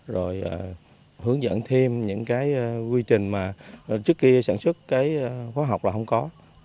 rồi hướng dẫn thêm những quy trình mà trước khi sản xuất khóa học là không có